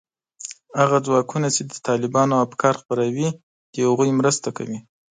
هغه ځواکونو چې د طالبانو افکار خپروي، د هغوی مرسته کوي